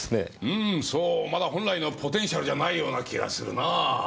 うーんそうまだ本来のポテンシャルじゃないような気がするなぁ。